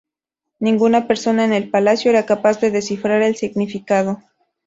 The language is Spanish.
Ninguna persona en el palacio era capaz de descifrar el significado.